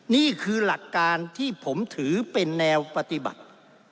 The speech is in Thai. นี่คือหลักการที่ผมถือเป็นแนวปฏิบัติ